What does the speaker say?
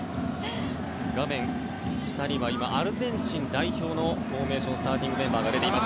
画面下にはアルゼンチン代表のフォーメーションスターティングメンバーが出ています。